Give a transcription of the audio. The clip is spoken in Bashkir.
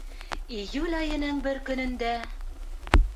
Июль айының бер көнөндә: